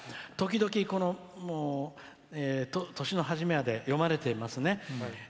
時々、年の初めでは読まれていますね。